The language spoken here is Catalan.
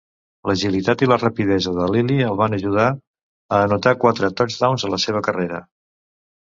L'agilitat i la rapidesa de Lilly el van ajudar a anotar quatre touchdowns a la seva carrera.